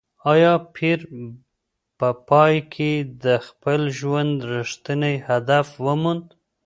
ایا پییر په پای کې د خپل ژوند رښتینی هدف وموند؟